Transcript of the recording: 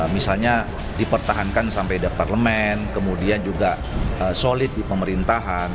misalnya dipertahankan sampai di parlemen kemudian juga solid di pemerintahan